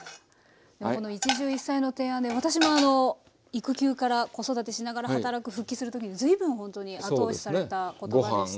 この一汁一菜の提案で私もあの育休から子育てしながら働く復帰する時に随分ほんとに後押しされた言葉でした。